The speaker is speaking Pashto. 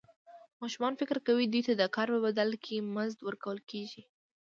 ماشومان فکر کوي دوی ته د کار په بدل کې مزد ورکول کېږي.